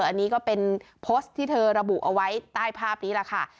อันนี้ก็เป็นโพสต์ที่เธอระบุเอาไว้ใต้ภาพนี้แหละค่ะ